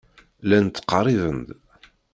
Llan ttqerriben-d.